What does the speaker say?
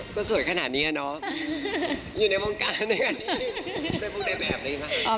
ค่ะก็สวยขนาดนี้อ่ะเนาะอยู่ในวงการด้วยกัน